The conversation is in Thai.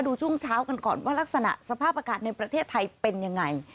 ช่วงเช้ากันก่อนว่ารักษณะสภาพอากาศในประเทศไทยเป็นยังไง